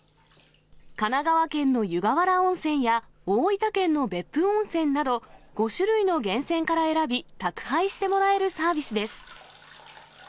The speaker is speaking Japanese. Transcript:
神奈川県の湯河原温泉や大分県の別府温泉など、５種類の源泉から選び、宅配してもらえるサービスです。